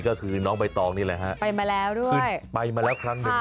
ก็คือน้องใบตองนี่แหละฮะไปมาแล้วด้วย